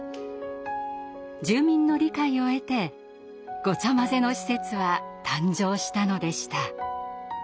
住民の理解を得てごちゃまぜの施設は誕生したのでした。